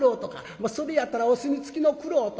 「それやったらお墨付きの玄人」。